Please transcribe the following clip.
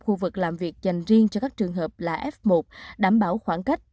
khu vực làm việc dành riêng cho các trường hợp là f một đảm bảo khoảng cách